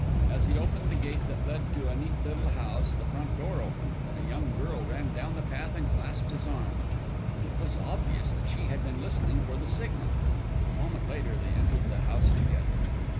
As he opened the gate that led to a neat little house, the front door opened, and a young girl ran down the path and clasped his arm. It was obvious that she had been listening for the signal. A moment later they entered the house together.